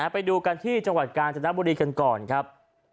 ไปดูกันที่จังหวัดกาญจนบุรีกันก่อนครับ